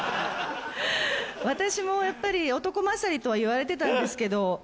私もやっぱり男勝りとはいわれてたんですけど。